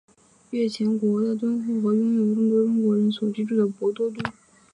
越前国的敦贺和拥有众多中国人所居住的博多都是当时重要的贸易据点。